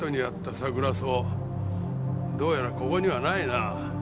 サクラソウどうやらここにはないな。